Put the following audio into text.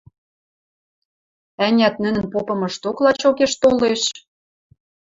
Ӓнят, нӹнӹн попымышток лачокеш толеш?